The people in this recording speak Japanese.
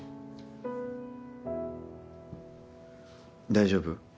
大丈夫？